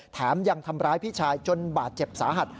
แถมยังทำร้ายพี่ชายจนบาดเจ็บสาหัส